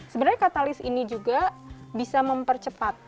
sebenarnya katalis ini juga bisa mempercepat